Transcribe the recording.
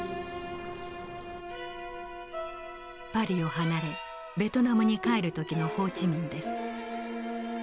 パリを離れベトナムに帰る時のホー・チ・ミンです。